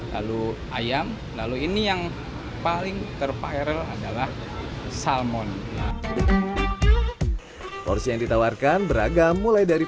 lalu ayam lalu ini yang paling terpiral adalah salmon porsi yang ditawarkan beragam mulai dari